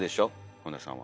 本田さんは。